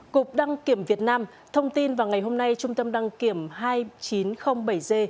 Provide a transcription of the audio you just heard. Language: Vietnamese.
cục đăng kiểm việt nam thông tin vào ngày hôm nay trung tâm đăng kiểm hai nghìn chín trăm linh bảy g